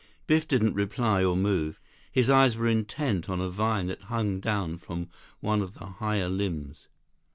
Biff didn't reply, or move. His eyes were intent on a vine that hung down from one of the higher limbs.